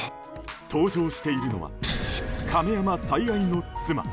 搭乗しているのは亀山最愛の妻。